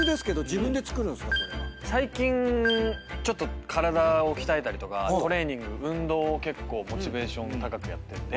最近ちょっと体を鍛えたりとかトレーニング運動を結構モチベーション高くやってて。